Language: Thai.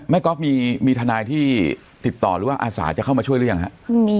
ก๊อฟมีทนายที่ติดต่อหรือว่าอาสาจะเข้ามาช่วยหรือยังครับ